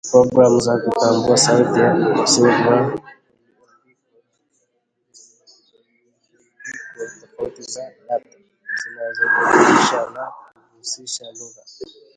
programu za kutambua sauti ni ukosefu wa milimbiko tofauti za data zinazojumuisha na kuhusisha lugha